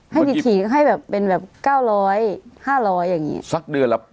ให้ถี่ถี่ก็ให้แบบเป็นแบบเก้าร้อยห้าร้อยอย่างงี้สักเดือนละ